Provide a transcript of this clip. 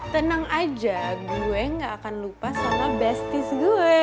tenang aja gue gak akan lupa sama besties gue